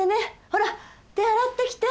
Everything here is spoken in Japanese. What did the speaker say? ほら手洗ってきて。